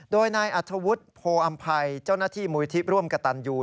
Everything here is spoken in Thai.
โดยนายอัธวุฒิโพออำภัยเจ้าหน้าที่มูลที่ร่วมกระตันยู